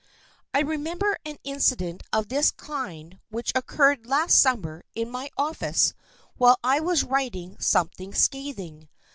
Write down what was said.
I remember an incident of this kind which occurred last summer in my office while I was writing something scathing.